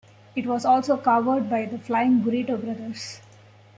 It was also covered by The Flying Burrito Brothers.